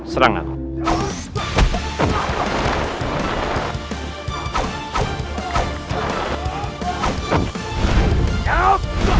sekarang serang aku